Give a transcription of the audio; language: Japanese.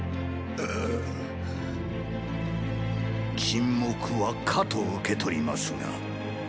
沈黙は“可”と受け取りますが。